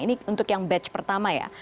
ini untuk yang batch pertama ya